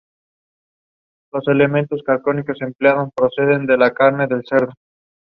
The committee he arranged for the investigation confirmed his theory.